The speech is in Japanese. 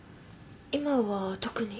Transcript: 今は特に。